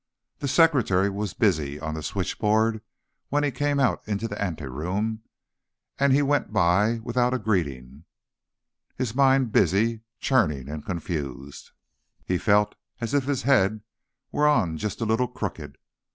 The secretary was busy on the switchboard when he came out into the anteroom, and he went by without a greeting, his mind busy, churning and confused. He felt as if his head were on just a little crooked.